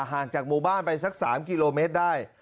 ห่างจากหมู่บ้านไปสัก๓กิโลเมตรได้